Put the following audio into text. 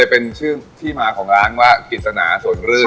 เป็นชื่อที่มาของร้านว่ากิจสนาสวนรื่น